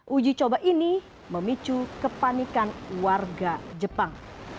uji coba ini memicu kepanikan warga jepang